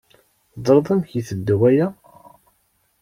Teẓṛiḍ amek i iteddu waya?